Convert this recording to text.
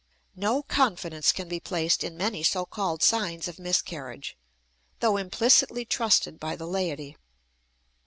No confidence can be placed in many so called signs of miscarriage, though implicitly trusted by the laity.